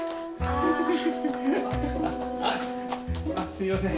あっすいません。